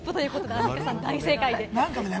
アンミカさん大正解です。